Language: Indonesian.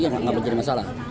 juga nggak menjadi masalah